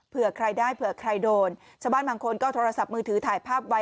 เผื่อใครได้เผื่อใครโดนชาวบ้านบางคนก็โทรศัพท์มือถือถ่ายภาพไว้